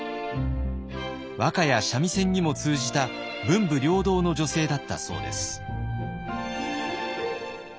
和歌や三味線にも通じた文武両道の女性だったそうです。